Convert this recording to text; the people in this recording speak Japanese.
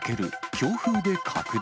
強風で拡大？